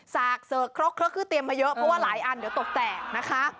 สากเสิร์กครกคือเตรียมมาเยอะเพราะว่าหลายอันเดี๋ยวตกแตกนะคะ